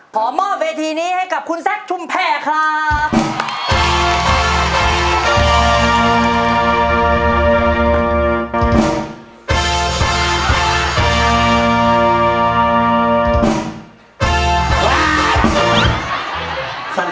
ขอมอบเวทีนี้ให้กับคุณแซคชุมแพรครับ